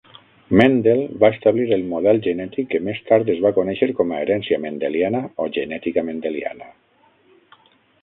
Mendel va establir el model genètic que més tard es va conèixer com a herència mendeliana o genètica mendeliana.